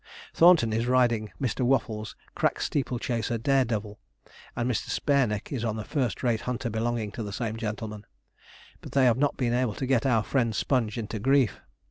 Thornton is riding Mr. Waffles' crack steeple chaser 'Dare Devil,' and Mr. Spareneck is on a first rate hunter belonging to the same gentleman, but they have not been able to get our friend Sponge into grief.